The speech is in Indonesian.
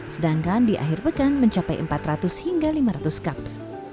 sedangkan di akhir pekan mencapai empat ratus hingga lima ratus cups